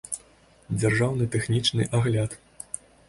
дзяржаўны тэхнічны агляд